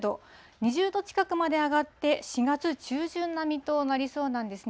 ２０度近くまで上がって、４月中旬並みとなりそうなんですね。